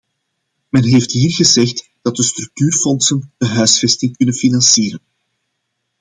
Men heeft hier gezegd dat de structuurfondsen de huisvesting kunnen financieren.